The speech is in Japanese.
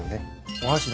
お箸。